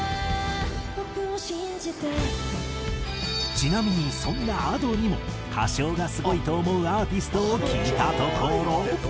ちなみにそんなＡｄｏにも歌唱がスゴいと思うアーティストを聞いたところ。